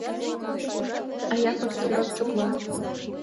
А Япык тугак чокла.